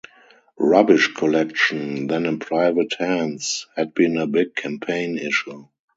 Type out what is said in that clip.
Rubbish collection, then in private hands, had been a big campaign issue.